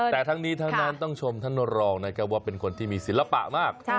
แต่ทั้งนี้ทั้งนั้นต้องชมท่านรองนะครับว่าเป็นคนที่มีศิลปะมาก